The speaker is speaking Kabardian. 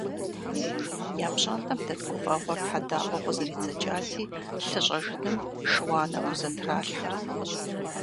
Я пщӏантӏэм дэт гуфӏэгъуэр хьэдагъэу къызэридзэкӏати, лъы щӏэжыным шы-уанэ хузэтралъхьэрт.